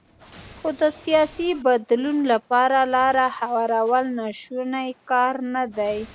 خو د سیاسي بدلون لپاره لاره هوارول ناشونی کار نه دی.